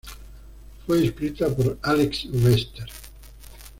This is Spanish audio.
Fue escrita por Alex Webster.